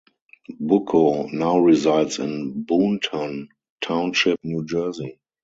Bucco now resides in Boonton Township, New Jersey.